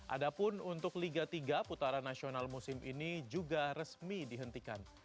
ada pun untuk liga tiga putaran nasional musim ini juga resmi dihentikan